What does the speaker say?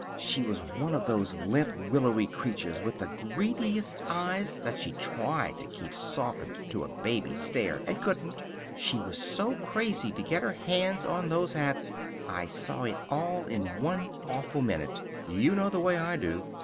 She was one of those limp, willowy creatures with the greediest eyes that she tried to keep softened to a baby stare, and couldn't, she was so crazy to get her hands on those hats. I saw it all in one awful minute. You know the way I do.